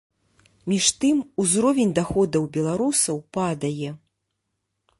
Між тым, узровень даходаў беларусаў падае.